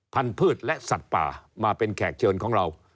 พันธุ์และสัตว์ป่ามาเป็นแขกเชิญของเรา